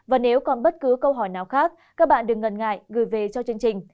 và nếu còn bất cứ câu hỏi nào khác các bạn đừng ngần ngại gửi về cho chương trình